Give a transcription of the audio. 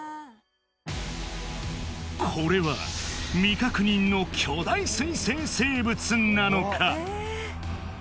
これは未確認の巨大水棲生物なのか？